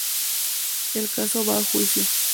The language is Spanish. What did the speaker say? El caso va a juicio.